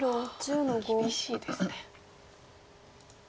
厳しいですね。